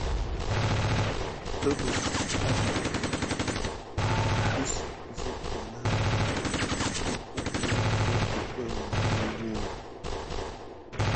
Əɓes adəf tatwaha qn kiso va bana tumpay nok akukume milimuya.